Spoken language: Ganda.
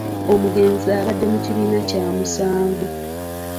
Omugenzi abadde mu kibiina kyamusanvu.